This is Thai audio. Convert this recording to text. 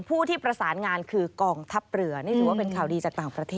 ผู้ที่ประสานงานคือกองทัพเรือนี่ถือว่าเป็นข่าวดีจากต่างประเทศ